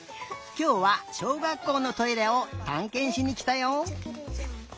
きょうはしょうがっこうのトイレをたんけんしにきたよ。